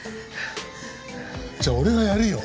じゃあ俺がやるよ！